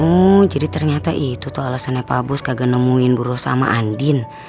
oh jadi ternyata itu tuh alasannya pak bos kagak nemuin bu raza sama andi